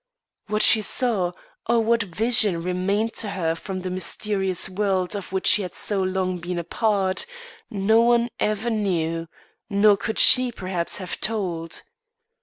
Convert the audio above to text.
What she saw, or what vision remained to her from the mysterious world of which she had so long been a part, none ever knew nor could she, perhaps, have told.